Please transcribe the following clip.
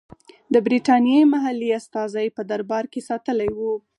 د برټانیې محلي استازی په دربار کې ساتلی وو.